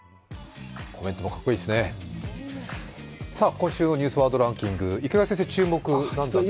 今週の「ニュースワードランキング」池谷先生、注目は何ですか？